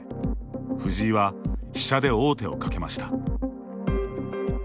藤井は、飛車で王手をかけました。